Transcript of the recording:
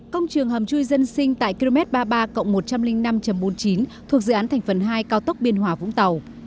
công trường hầm chui dân sinh tại km ba mươi ba một trăm linh năm bốn mươi chín thuộc dự án thành phần hai cao tốc biên hòa vũng tàu